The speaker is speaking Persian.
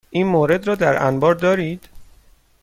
این مورد را در انبار دارید؟